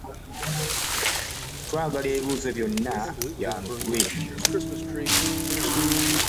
Twagala ebibuuzo byonna byanukulwe.